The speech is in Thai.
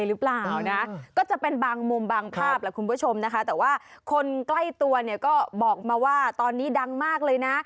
หรือเปล่านะก็จะเป็นบางมุมบางภาพแหละคุณผู้ชมนะคะแต่ว่าคนใกล้ตัวเนี่ยก็บอกมาว่าตอนนี้ดังมากเลยนะ